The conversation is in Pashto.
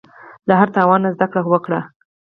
له هر تاوان نه زده کړه وکړه.